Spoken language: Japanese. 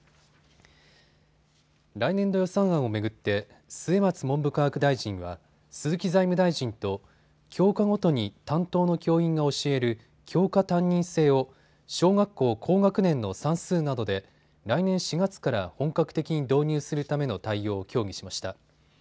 来年度予算案を巡って末松文部科学大臣は鈴木財務大臣と教科ごとに担当の教員が教える教科担任制を小学校高学年の算数などで来年４月から本格的に導入するための対応を協議しました。